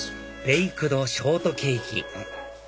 ベイクドショートケーキ